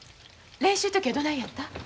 練習の時はどないやった？